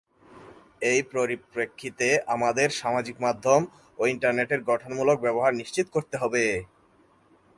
এই পরিপ্রেক্ষিতে আমাদের সামাজিক মাধ্যম ও ইন্টারনেটের গঠনমূলক ব্যবহার নিশ্চিত করতে হবে।